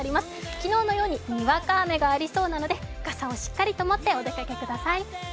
昨日のようににわか雨がありそうなので傘をしっかり持ってお出かけください。